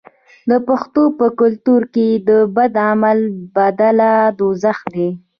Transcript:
د پښتنو په کلتور کې د بد عمل بدله دوزخ دی.